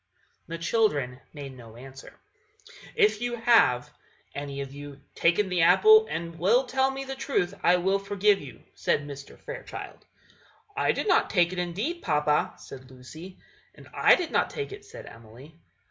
The children made no answer. "If you have, any of you, taken the apple, and will tell me the truth, I will forgive you," said Mr. Fairchild. "I did not take it, indeed, papa," said Lucy. "And I did not take it," said Emily.